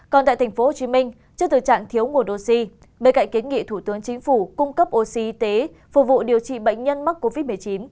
còn tại tp hcm trước thời trạng thiếu mùa oxy bên cạnh kiến nghị thủ tướng chính phủ cung cấp oxy y tế phục vụ điều trị bệnh nhân mắc covid một mươi chín